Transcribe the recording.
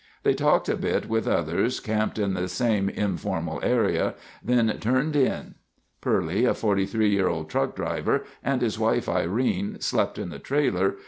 They talked a bit with others camped in the same informal area, then turned in. Purley, a 43 year old truck driver, and his wife, Irene, slept in the trailer.